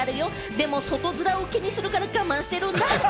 でも、外づらを気にするから我慢してるんだ。